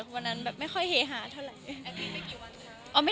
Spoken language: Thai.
วันนั้นไม่ค่อยหักฐาน